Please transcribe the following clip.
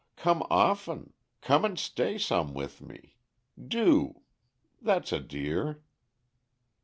Come often. Come and stay some with me. Do. That's a dear."